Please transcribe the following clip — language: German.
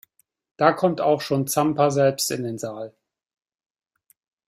Da kommt auch schon Zampa selbst in den Saal.